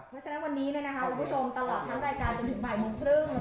เพราะฉะนั้นวันนี้คุณผู้ชมตลอดทั้งรายการจนถึงบ่ายโมงครึ่ง